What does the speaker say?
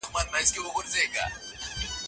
هغوی ډېري درنې ستونزي په اسانۍ حل کړي دي.